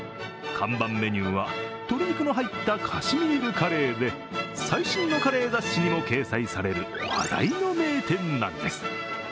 看板メニューは鶏肉の入ったカシミールカレーで、最新のカレー雑誌にも掲載される話題の名店なんです。